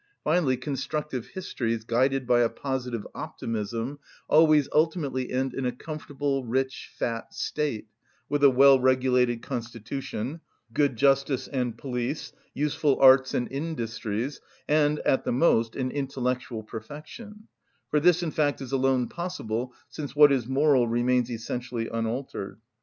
Finally, constructive histories, guided by a positive optimism, always ultimately end in a comfortable, rich, fat State, with a well‐regulated constitution, good justice and police, useful arts and industries, and, at the most, in intellectual perfection; for this, in fact, is alone possible, since what is moral remains essentially unaltered.